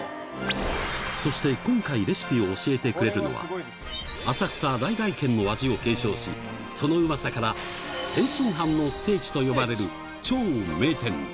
そして今回、レシピを教えてくれるのは、浅草・来々軒の味を継承し、そのうまさから、天津飯の聖地と呼ばれる超名店。